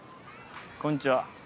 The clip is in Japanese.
こんにちは。